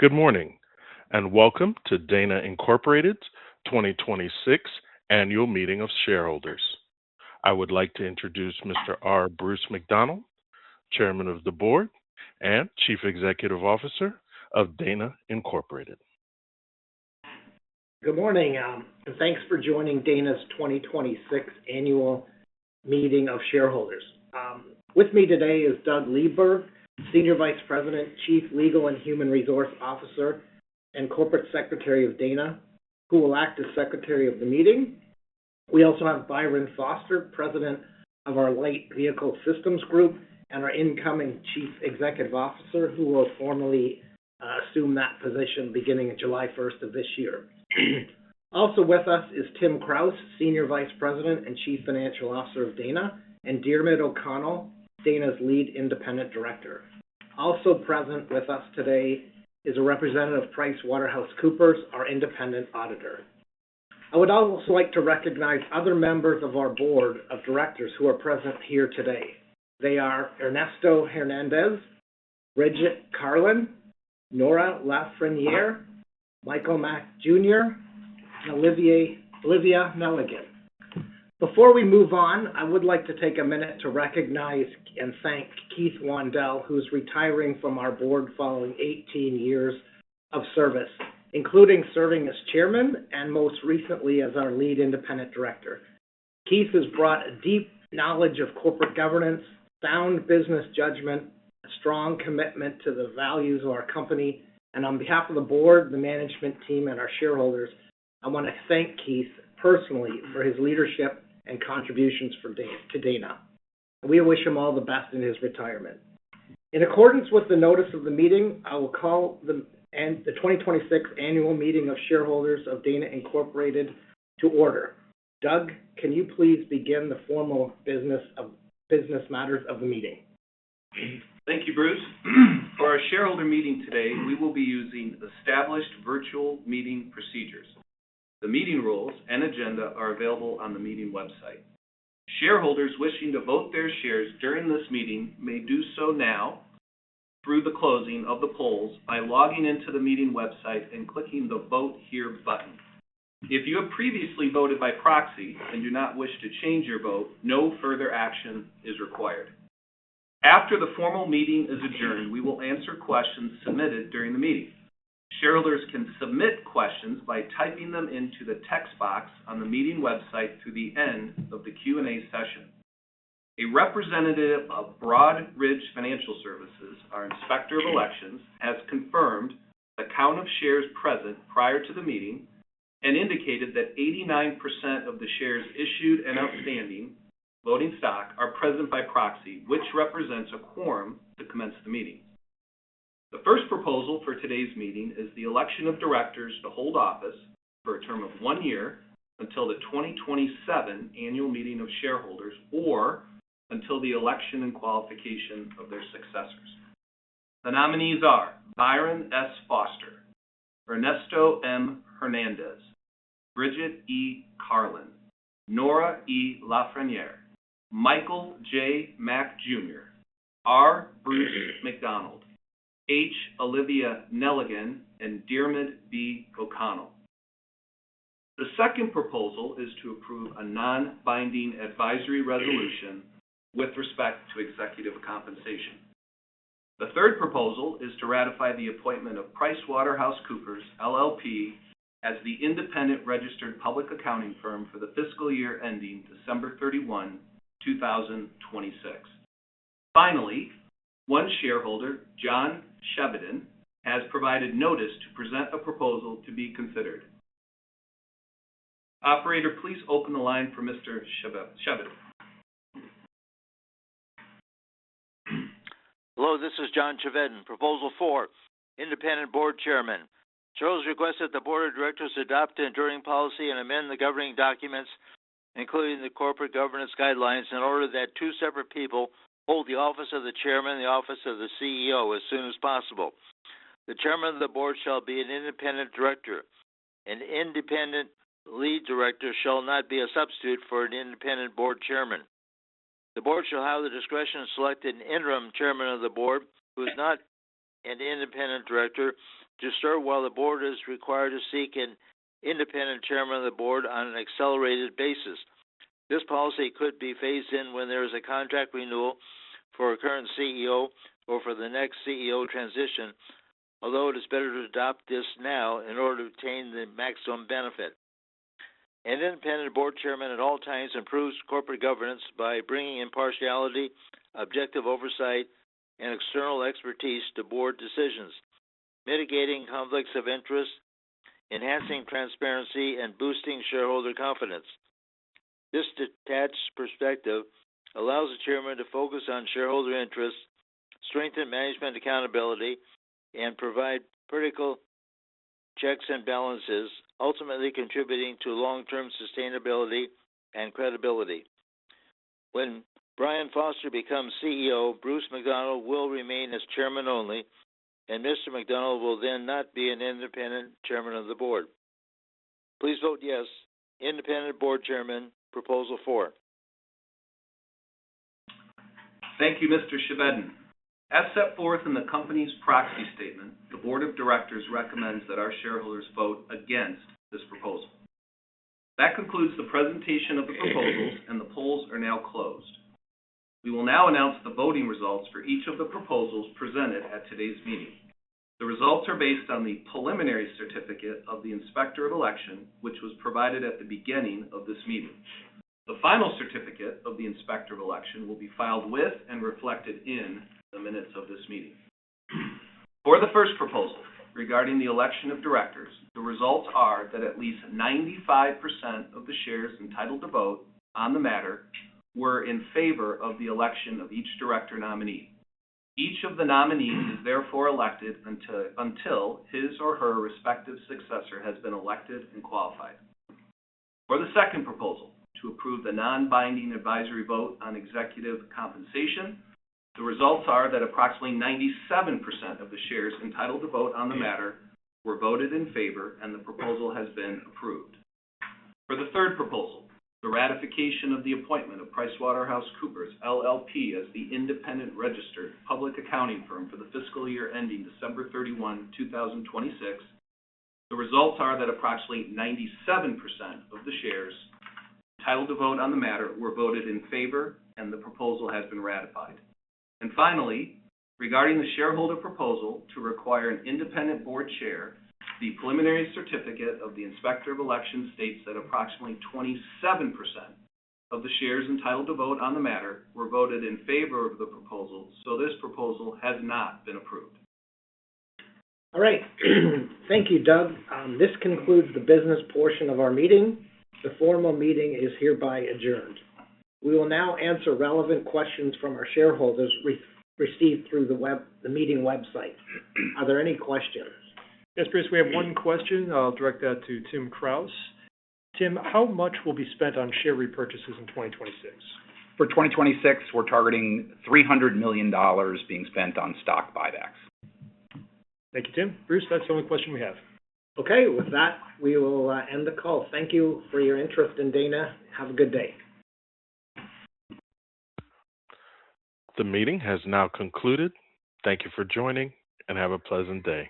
Good morning, and welcome to Dana Incorporated's 2026 Annual Meeting of Shareholders. I would like to introduce Mr. R. Bruce McDonald, Chairman of the Board and Chief Executive Officer of Dana Incorporated. Good morning, and thanks for joining Dana's 2026 Annual Meeting of Shareholders. With me today is Douglas H. Liedberg, Senior Vice President, Chief Legal and Human Resources Officer, and Corporate Secretary of Dana, who will act as secretary of the meeting. We also have Byron S. Foster, President of our Light Vehicle Systems Group and our incoming Chief Executive Officer, who will formally assume that position beginning July 1st of this year. Also with us is Tim Kraus, Senior Vice President and Chief Financial Officer of Dana, and Diarmuid B. O'Connell, Dana's Lead Independent Director. Also present with us today is a representative of PricewaterhouseCoopers, our independent auditor. I would also like to recognize other members of our board of directors who are present here today. They are Ernesto M. Hernández, Bridget E. Karlin, Nora E. LaFreniere, Michael J. Mack Jr., and H. Olivia Nelligan. Before we move on, I would like to take a minute to recognize and thank Keith Wandell, who's retiring from our board following 18 years of service, including serving as chairman and most recently as our lead independent director. Keith has brought a deep knowledge of corporate governance, sound business judgment, a strong commitment to the values of our company, and on behalf of the board, the management team, and our shareholders, I want to thank Keith personally for his leadership and contributions to Dana. We wish him all the best in his retirement. In accordance with the notice of the meeting, I will call the 2026 annual meeting of shareholders of Dana Incorporated to order. Doug, can you please begin the formal business matters of the meeting? Thank you, Bruce. For our shareholder meeting today, we will be using established virtual meeting procedures. The meeting rules and agenda are available on the meeting website. Shareholders wishing to vote their shares during this meeting may do so now through the closing of the polls by logging into the meeting website and clicking the Vote Here button. If you have previously voted by proxy and do not wish to change your vote, no further action is required. After the formal meeting is adjourned, we will answer questions submitted during the meeting. Shareholders can submit questions by typing them into the text box on the meeting website through the end of the Q&A session. A representative of Broadridge Financial Services, our Inspector of Elections, has confirmed the count of shares present prior to the meeting and indicated that 89% of the shares issued and outstanding, voting stock, are present by proxy, which represents a quorum to commence the meeting. The first proposal for today's meeting is the election of directors to hold office for a term of one year until the 2027 Annual Meeting of Shareholders or until the election and qualification of their successors. The nominees are Byron S. Foster, Ernesto M. Hernández, Bridget E. Karlin, Nora E. LaFreniere, Michael J. Mack Jr., R. Bruce McDonald, H. Olivia Nelligan, and Diarmuid B. O'Connell. The second proposal is to approve a non-binding advisory resolution with respect to executive compensation. The third proposal is to ratify the appointment of PricewaterhouseCoopers LLP as the independent registered public accounting firm for the fiscal year ending December 31, 2026. Finally, one shareholder, John Chevedden, has provided notice to present a proposal to be considered. Operator, please open the line for Mr. Chevedden. Hello, this is John Chevedden, proposal four, independent board chairman. Charles requested the board of directors adopt an enduring policy and amend the governing documents, including the corporate governance guidelines, in order that two separate people hold the office of the chairman and the office of the CEO as soon as possible. The chairman of the board shall be an independent director. An independent lead director shall not be a substitute for an independent board chairman. The board shall have the discretion to select an interim chairman of the board who is not an independent director to serve while the board is required to seek an independent chairman of the board on an accelerated basis. This policy could be phased in when there is a contract renewal for a current CEO or for the next CEO transition, although it is better to adopt this now in order to obtain the maximum benefit. An independent board chairman at all times improves corporate governance by bringing impartiality, objective oversight, and external expertise to board decisions, mitigating conflicts of interest, enhancing transparency, and boosting shareholder confidence. This detached perspective allows the chairman to focus on shareholder interests, strengthen management accountability, and provide critical checks and balances, ultimately contributing to long-term sustainability and credibility. When Byron Foster becomes CEO, Bruce McDonald will remain as chairman only, and Mr. McDonald will then not be an independent chairman of the board. Please vote yes, independent board chairman, proposal four. Thank you, Mr. Chevedden. As set forth in the company's proxy statement, the board of directors recommends that our shareholders vote against this proposal. That concludes the presentation of the proposals, and the polls are now closed. We will now announce the voting results for each of the proposals presented at today's meeting. The results are based on the preliminary certificate of the Inspector of Election, which was provided at the beginning of this meeting. The final certificate of the Inspector of Election will be filed with and reflected in the minutes of this meeting. For the first proposal regarding the election of directors, the results are that at least 95% of the shares entitled to vote on the matter were in favor of the election of each director nominee. Each of the nominees is therefore elected until his or her respective successor has been elected and qualified. For the second proposal, to approve the non-binding advisory vote on executive compensation, the results are that approximately 97% of the shares entitled to vote on the matter were voted in favor and the proposal has been approved. For the third proposal, the ratification of the appointment of PricewaterhouseCoopers LLP, as the independent registered public accounting firm for the fiscal year ending December 31, 2026, the results are that approximately 97% of the shares entitled to vote on the matter were voted in favor and the proposal has been ratified. Finally, regarding the shareholder proposal to require an independent board chair, the preliminary certificate of the Inspector of Election states that approximately 27% of the shares entitled to vote on the matter were voted in favor of the proposal, so this proposal has not been approved. All right. Thank you, Doug. This concludes the business portion of our meeting. The formal meeting is hereby adjourned. We will now answer relevant questions from our shareholders received through the meeting website. Are there any questions? Yes, Bruce, we have one question. I'll direct that to Tim Kraus. Tim, how much will be spent on share repurchases in 2026? For 2026, we're targeting $300 million being spent on stock buybacks. Thank you, Tim. Bruce, that's the only question we have. Okay. With that, we will end the call. Thank you for your interest in Dana. Have a good day. The meeting has now concluded. Thank you for joining, and have a pleasant day.